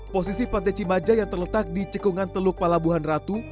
posisi pantai cimaja yang terletak di cekungan teluk palabuhan ratu